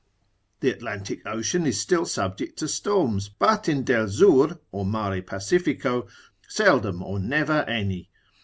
The Atlantic Ocean is still subject to storms, but in Del Zur, or Mare pacifico, seldom or never any.